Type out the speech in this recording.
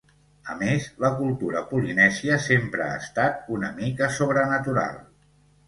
A més, la cultura polinèsia sempre ha estat una mica sobrenatural.